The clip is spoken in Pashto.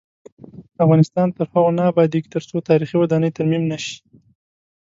افغانستان تر هغو نه ابادیږي، ترڅو تاریخي ودانۍ ترمیم نشي.